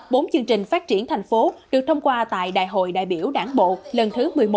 bốn chương trình phát triển thành phố được thông qua tại đại hội đại biểu đảng bộ lần thứ một mươi một